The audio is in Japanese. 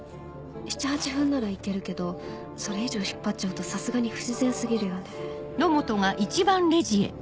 ７８分ならいけるけどそれ以上引っ張っちゃうとさすがに不自然過ぎるよねあっすいません。